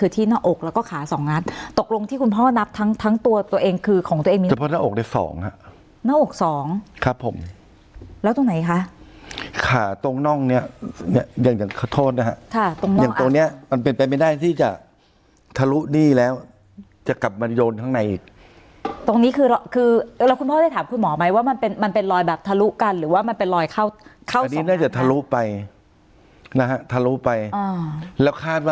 ตกลงที่คุณพ่อนับทั้งทั้งตัวตัวเองคือของตัวเองมีเฉพาะหน้าอกได้สองครับหน้าอกสองครับผมแล้วตรงไหนคะขาตรงนอกเนี้ยอย่างอย่างขอโทษนะฮะค่ะตรงนอกอย่างตรงเนี้ยมันเป็นไปไม่ได้ที่จะทะลุนี่แล้วจะกลับมาโยนข้างในอีกตรงนี้คือคือแล้วคุณพ่อได้ถามคุณหมอไหมว่ามันเป็นมันเป็นรอยแบบทะลุกันหรือ